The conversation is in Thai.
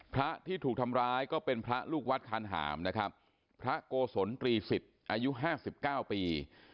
พระที่ถูกทำร้ายก็เป็นพระลูกวัดคานหามนะครับพระโกศลตรีสิทธิ์อายุห้าสิบเก้าปี